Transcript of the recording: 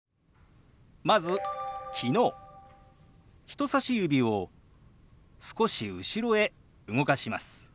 人さし指を少し後ろへ動かします。